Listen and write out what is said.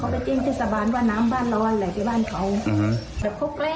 เขาไปเจ้งเชษฐบาลว่าน้ำบ้านร้อนเลยไปบ้านเขาอืม